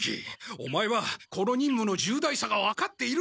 オマエはこの任務の重大さが分かっているのか？